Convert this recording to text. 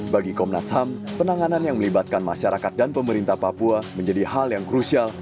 bagi komnas ham penanganan yang melibatkan masyarakat dan pemerintah papua menjadi hal yang krusial